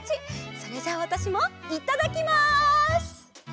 それじゃあわたしもいただきます！